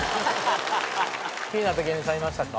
気になった芸人さんいましたか？